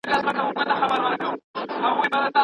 باطل لکه دود داسي په هوا کي ورک سو.